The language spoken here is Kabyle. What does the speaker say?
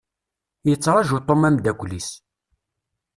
Yettraju Tom ameddakel-is.